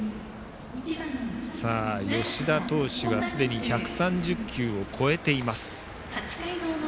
吉田投手がすでに１３０球を超えています。